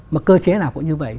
mà cơ chế nào cũng như vậy